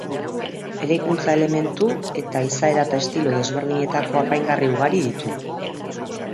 Eraikuntza-elementu eta izaera eta estilo desberdinetako apaingarri ugari ditu.